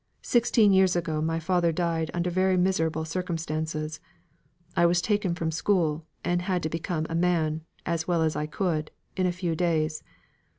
Sixteen years ago, my father died under very miserable circumstances. I was taken from school, and had to become a man (as well as I could) in a few days.